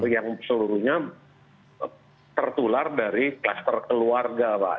yang seluruhnya tertular dari kluster keluarga pak